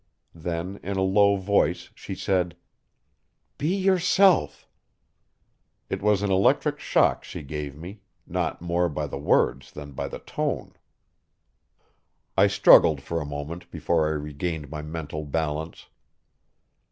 Then in a low voice she said: "Be yourself." It was an electric shock she gave me, not more by the words than by the tone. I struggled for a moment before I regained my mental balance.